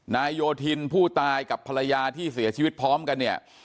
โยธินผู้ตายกับภรรยาที่เสียชีวิตพร้อมกันเนี่ย